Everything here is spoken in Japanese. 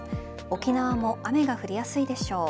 沖縄も雨が降りやすいでしょう。